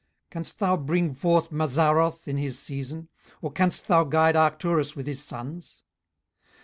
18:038:032 Canst thou bring forth Mazzaroth in his season? or canst thou guide Arcturus with his sons?